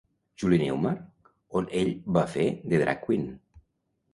Julie Newmar, on ell va fer de drag-queen.